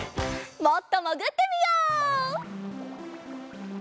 もっともぐってみよう！